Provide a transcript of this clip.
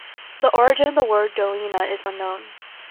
The origin of the word "doina" is unknown.